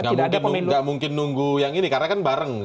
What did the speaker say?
nggak mungkin nunggu yang ini karena kan bareng